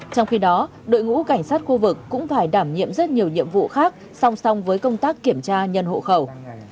trong khi đó đội ngũ cảnh sát khu vực cũng phải đảm nhiệm rất nhiều nhiệm vụ khác song song với công tác kiểm tra nhân hộ khẩu